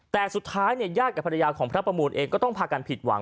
แต่สุดท้ายเนี่ยญาติกับภรรยาของพระประมูลเองก็ต้องพากันผิดหวัง